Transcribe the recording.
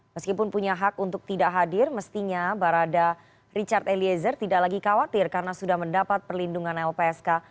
meskipun punya hak untuk tidak hadir mestinya barada richard eliezer tidak lagi khawatir karena sudah mendapat perlindungan lpsk